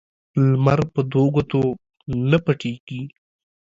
لمر په دوو گوتو نه پټېږي.